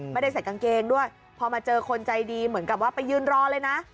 ไม่ได้ใส่กางเกงด้วยพอมาเจอคนใจดีเหมือนกับว่าไปยืนรอเลยนะ